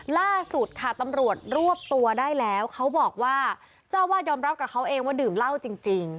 ล่าสุดค่ะตำรวจรวบตัวได้แล้วเขาบอกว่าเจ้าวาดยอมรับกับเขาเองว่าดื่มเหล้าจริง